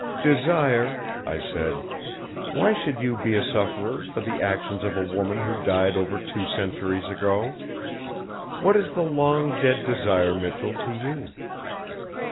"Desire," I said, "why should you be a sufferer for the actions of a woman who died over two centuries ago? What is the long dead Desire Michell to you?"